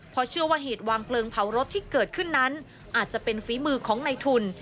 เพราะเชื่อว่าเหตุวางเพลิงเผารถที่เกิดขึ้นนั้นอาจจะเป็นฝีมือของในทุน